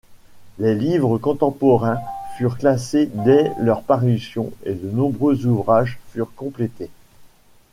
Les livres contemporains furent classés dès leur parution et de nombreux ouvrages furent complétés.